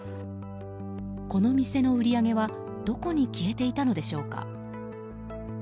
この店の売り上げはどこに消えていたのでしょうか。